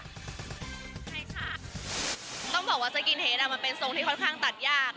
ใช่ค่ะต้องบอกว่าสกินเฮดมันเป็นทรงที่ค่อนข้างตัดยาก